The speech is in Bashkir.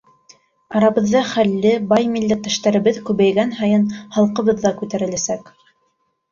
Арабыҙҙа хәлле, бай милләттәштәребеҙ күбәйгән һайын халҡыбыҙ ҙа күтәреләсәк.